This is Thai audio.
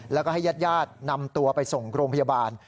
แล้วก็ให้ญาตินำตัวไปส่งโรงพยาบาล